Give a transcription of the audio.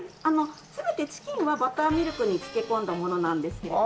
全てチキンはバターミルクに漬け込んだものなんですけれども。